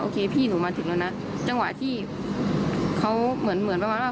โอเคพี่หนูมาถึงแล้วนะจังหวะที่เขาเหมือนประมาณว่า